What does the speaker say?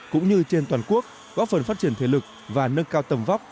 cũng như trên toàn quốc góp phần phát triển thể lực và nâng cao tầm vóc